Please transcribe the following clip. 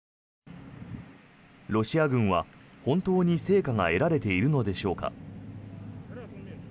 ロシア軍は本当に成果が得られているのでしょうか。